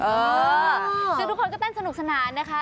ซึ่งทุกคนก็เต้นสนุกสนานนะคะ